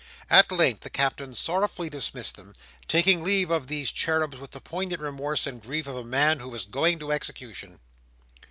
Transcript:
At length the Captain sorrowfully dismissed them: taking leave of these cherubs with the poignant remorse and grief of a man who was going to execution.